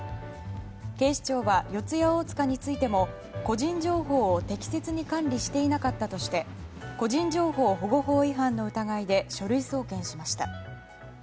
警視庁は、四谷大塚についても個人情報を適切に管理していなかったとして個人情報保護法違反の疑いで書類送検しました。